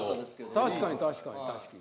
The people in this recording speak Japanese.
確かに確かに確かに。